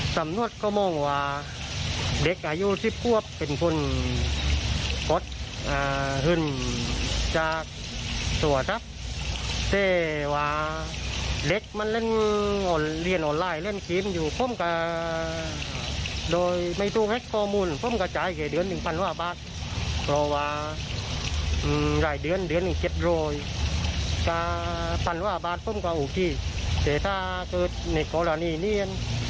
ล้านสองค่ะคุณผู้ชมถูกโอนออกไป